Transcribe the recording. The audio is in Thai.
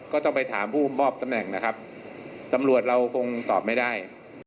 ก็ต้องไปถามผู้มอบตำแหน่งนะครับตำรวจเราคงตอบไม่ได้